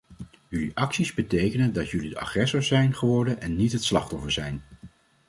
Jullie acties betekenen dat jullie de agressor zijn geworden en niet het slachtoffer zijn.